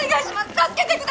助けてください！